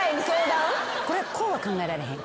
こうは考えられへん？